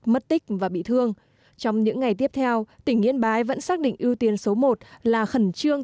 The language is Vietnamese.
mất tích và bị thương trong những ngày tiếp theo tỉnh yên bái vẫn xác định ưu tiên số một là khẩn trương